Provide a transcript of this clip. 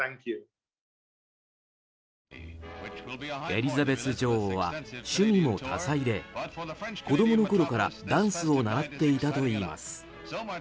エリザベス女王は趣味も多彩で子供のころからダンスを習っていたといいます。